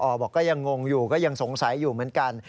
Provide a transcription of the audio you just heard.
บอกก็ยังงงอยู่ก็ยังสงสัยอยู่เหมือนกัน